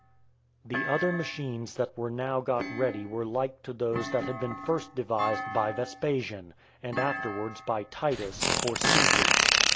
The other machines that were now got ready were like to those that had been first devised by Vespasian, and afterwards by Titus, for sieges.